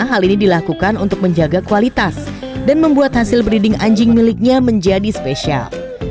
hal ini dilakukan untuk menjaga kualitas dan membuat hasil breeding anjing miliknya menjadi spesial